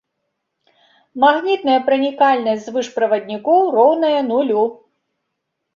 Магнітная пранікальнасць звышправаднікоў роўная нулю.